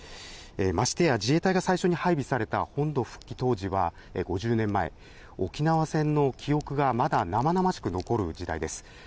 ましてや自衛隊が最初に配備された本土復帰当時は、５０年前、沖縄戦の記憶がまだ生々しく残る時代です。